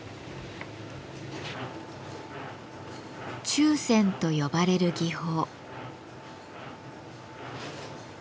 「注染」と呼ばれる技法。